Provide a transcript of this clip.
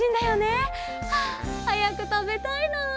ああはやくたべたいなあ。